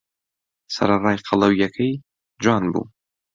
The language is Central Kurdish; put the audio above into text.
سەرەڕای قەڵەوییەکەی، جوان بوو.